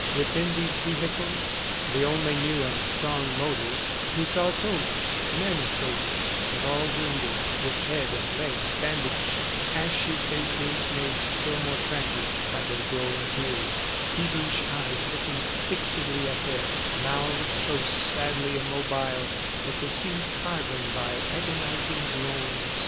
Within these vehicles the only new and strong motors he saw soldiers, many soldiers, but all wounded, with head and legs bandaged, ashy faces made still more tragic by their growing beards, feverish eyes looking fixedly ahead, mouths so sadly immobile that they seemed carven by agonizing groans.